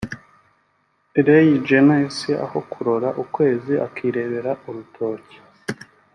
Reytjens aho kurora ukwezi akirebera urutoki